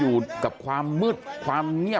เพื่อนบ้านเจ้าหน้าที่อำรวจกู้ภัย